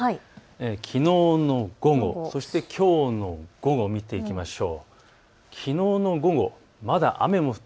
きのうの午後、そして、きょうの午後を見ていきましょう。